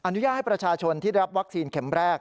อนุญาตให้ประชาชนที่รับวัคซีนเข็มแรก